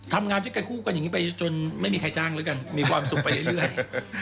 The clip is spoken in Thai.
ทำงานด้วยกันคู่กันอย่างนี้ไปจนไม่มีใครจ้างแล้วกันมีความสุขไปเรื่อย